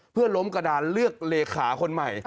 เพื่อล้มกระดานเลือกเลขาคนใหม่